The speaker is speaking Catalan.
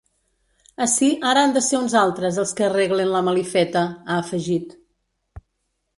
Ací ara han de ser uns altres els que arreglen la malifeta, ha afegit.